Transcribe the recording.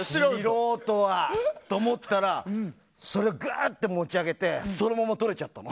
素人はと思ったらそれをぐっと持ち上げてそのまま取れちゃったの。